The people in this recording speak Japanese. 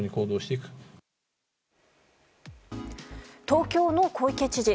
東京の小池知事